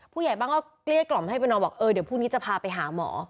ผู้ใหญ่บ้านก็เกลี้ยกล่อมให้ไปนอนบอกเออเดี๋ยวพรุ่งนี้จะพาไปหาหมอ